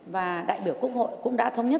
và đại biểu quốc hội cũng đã thống nhất